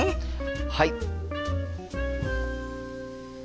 はい！